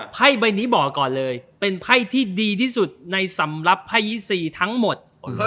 ไพ่ใบนี้บอกก่อนเลยเป็นไพ่ที่ดีที่สุดในสำหรับไพ่๒๔ทั้งหมด